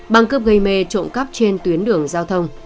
băng cướp gây mê trộm cắp trên tuyến đường giao thông